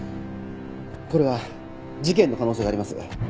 これは事件の可能性があります。